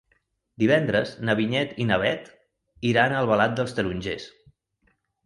Divendres na Vinyet i na Bet iran a Albalat dels Tarongers.